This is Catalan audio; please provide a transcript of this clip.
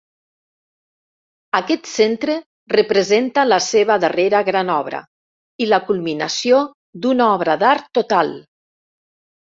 Aquest centre representa la seva darrera gran obra, i la culminació d'una obra d'art total.